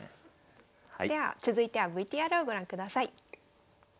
では続いてはＶＴＲをご覧ください。